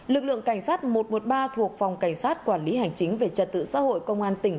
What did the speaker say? lực lượng cảnh sát một trăm một mươi ba thuộc phòng cảnh sát quản lý hành chính về trật tự xã hội công an tỉnh